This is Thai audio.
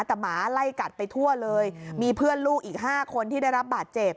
แต่หมาไล่กัดไปทั่วเลยมีเพื่อนลูกอีก๕คนที่ได้รับบาดเจ็บ